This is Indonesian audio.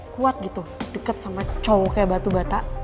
kuat gitu deket sama cowoknya batu bata